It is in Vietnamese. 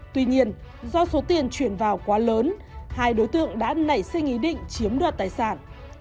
tuy nhiên do số tiền chuyển vào quá lớn hai đối tượng đã nảy sinh ý định chiếm đoạt tài sản